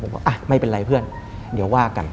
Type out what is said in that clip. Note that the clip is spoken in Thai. ผมบอกอ่ะไม่เป็นไรเพื่อนเดี๋ยวว่ากัน